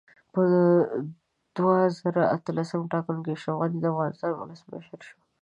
په دوه زره اتلسم ټاکنو کې اشرف غني دا افغانستان اولسمشر شو